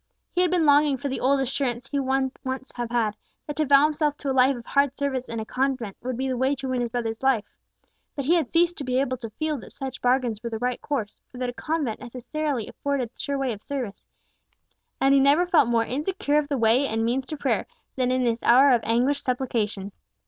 He had been longing for the old assurance he would once have had, that to vow himself to a life of hard service in a convent would be the way to win his brother's life; but he had ceased to be able to feel that such bargains were the right course, or that a convent necessarily afforded sure way of service, and he never felt mere insecure of the way and means to prayer than in this hour of anguished supplication.